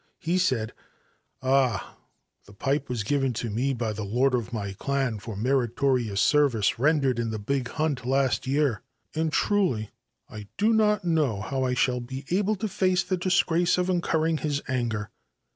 said : 4 Ah ! the pipe was given to me by the lord of clan for meritorious service rendered in the big hunt year, and truly I do not know how I shall be able to ] the disgrace of incurring his anger.'